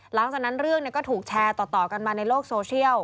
หลังจากนั้นเรื่องก็ถูกแชร์ต่อกันมาในโลกโซเชียล